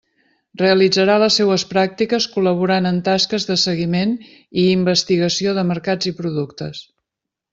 Realitzarà les seues pràctiques col·laborant en tasques de seguiment i investigació de mercats i productes.